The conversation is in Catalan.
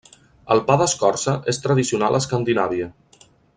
El pa d'escorça és tradicional a Escandinàvia.